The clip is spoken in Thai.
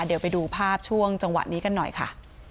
เดี๋ยวไปดูภาพช่วงจังหวะนี้กันหน่อยค่ะ